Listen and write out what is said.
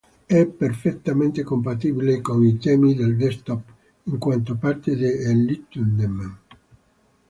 È perfettamente compatibile con i temi del desktop, in quanto parte di Enlightenment.